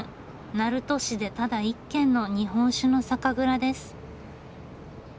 鳴門市でただ一軒の日本酒の酒蔵です。